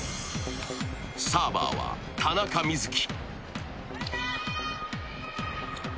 サーバーは、田中瑞稀。